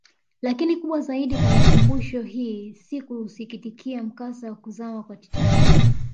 Lakini kubwa zaidi kwa makumbusho hii si kuusikitikia mkasa wa kuzama wa Titanic